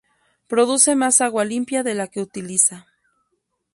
Produce más agua limpia de la que utiliza.